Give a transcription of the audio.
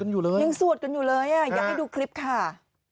ยังสวดกันอยู่เลยอ่ะอยากให้ดูคลิปค่ะ